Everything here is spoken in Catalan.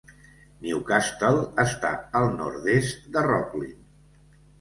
Newcastle està al nord-est de Rocklin.